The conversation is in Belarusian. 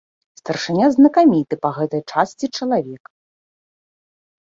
Старшыня знакаміты па гэтай часці чалавек.